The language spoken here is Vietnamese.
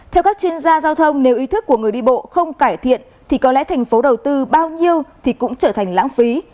theo các chuyên gia giao thông nếu ý thức của người đi bộ không cải thiện thì có lẽ thành phố đầu tư bao nhiêu thì cũng trở thành lãng phí